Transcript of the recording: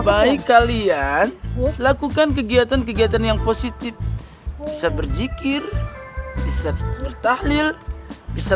baik kalian lakukan kegiatan kegiatan yang positif bisa berjikir bisa bertahlil bisa